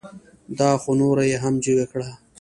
دا خو نوره یې هم جگه کړه.